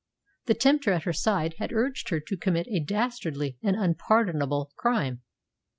The tempter at her side had urged her to commit a dastardly, an unpardonable crime.